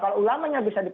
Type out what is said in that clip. kalau ulama nya bisa nyaman